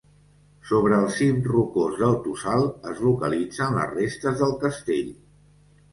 Sobre el cim rocós del tossal es localitzen les restes del castell.